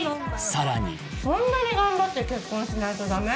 さらにそんなに頑張って結婚しないとダメ？